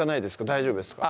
大丈夫ですか？